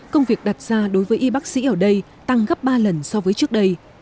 công việc đặt ra đối với y bác sĩ ở đây tăng gấp ba lần so với trước đây